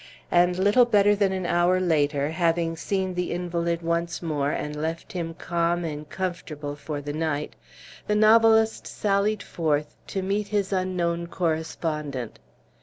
And little better than an hour later, having seen the invalid once more, and left him calm and comfortable for the night, the novelist sallied forth to meet his unknown correspondent.